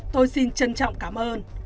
tôi xin trân trọng cảm ơn